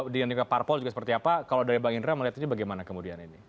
dinamika parpol juga seperti apa kalau dari bang indra melihat ini bagaimana kemudian ini